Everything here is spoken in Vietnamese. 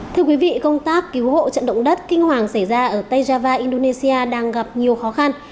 thưa quý vị công tác cứu hộ trận động đất kinh hoàng xảy ra ở tây java indonesia đang gặp nhiều khó khăn